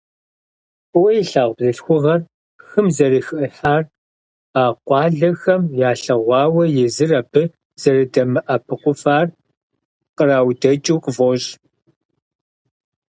ФӀыуэ илъагъу бзылъхугъэр хым зэрыхихьар а къуалэхэм ялъэгъуауэ, езыр абы зэрыдэмыӀэпыкъуфар къраудэкӀыу къыфӀощӀ.